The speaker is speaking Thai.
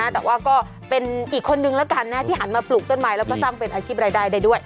แต่ว่าก็เป็นอีกคนนึงแล้วกันนะที่หันมาปลูกต้นไม้แล้วก็สร้างเป็นอาชีพรายได้ได้ด้วย